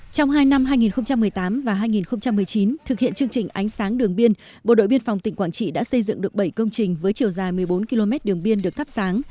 trong hai năm hai nghìn một mươi tám và hai nghìn một mươi chín thực hiện chương trình ánh sáng đường biên bộ đội biên phòng tỉnh quảng trị đã xây dựng được bảy công trình với chiều dài một mươi bốn km đường biên được thắp sáng